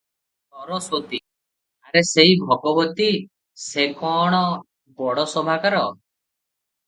ସରସ୍ୱତୀ - ଆରେ ସେଇ ଭଗବତୀ - ସେ କଣ ବଡ଼ ଶୋଭାକାର?